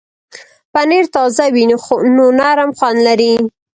پنېر تازه وي نو نرم خوند لري.